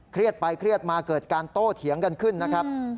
เครียดไปเครียดมาเกิดการโต้เถียงกันขึ้นนะครับ